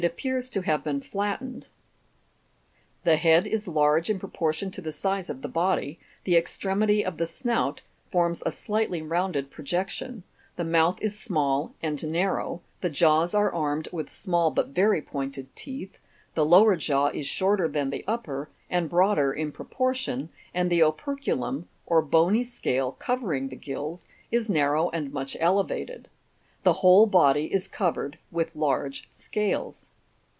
pearg to have becn fl i ten 4 r The head is large in proportion to the size of the body, the extremity of the snout forms a slightly rounded projection, the mouth is small and nar row, the jaws are armed with small but very pointed teeth, the lower jaw is shorter than the upper, and broader in proportion, and the operculum (or bony scale covering the gills) is narrow and much elevated. The whole body is covered with large scales.